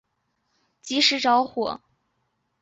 右面油箱漏出燃油即时着火。